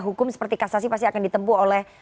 hukum seperti kasasi pasti akan ditempuh oleh